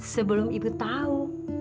sebelum ibu tahu